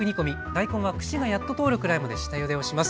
大根は串がやっと通るくらいまで下ゆでをします。